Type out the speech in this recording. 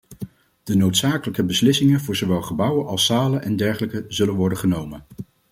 De noodzakelijke beslissingen voor zowel gebouwen als zalen en dergelijke zullen worden genomen.